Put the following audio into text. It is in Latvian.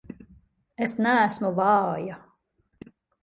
Es neesmu vāja!